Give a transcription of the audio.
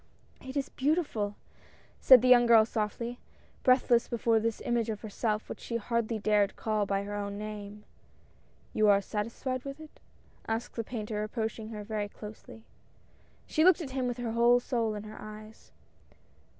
" It is beautiful !" said the young girl softly, breath less before this image of herself which she hardly dared call by her own name. "You are satisfied with it?" asked the painter approaching her very closely. She looked at him with her whole soul in her eyes.